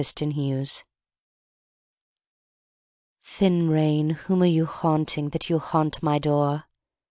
WRAITH "Thin Rain, whom are you haunting, That you haunt my door?"